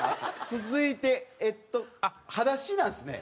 続いてえっと裸足なんですね。